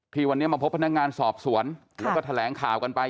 ที่วันนี้มาพบพนักงานสอบสวนแล้วก็แถลงข่าวกันไป